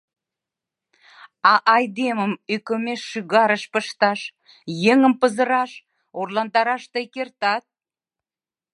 А айдемым ӧкымеш шӱгарыш пышташ, еҥым пызыраш, орландараш тый кертат...